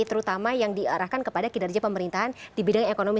terutama yang diarahkan kepada kinerja pemerintahan di bidang ekonomi